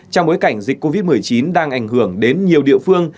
trong bối cảnh dịch covid một mươi chín đang ảnh hưởng đến nhiều địa phương